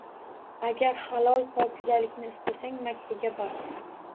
Agar halol-pokizalikni istasang Makkaga bor.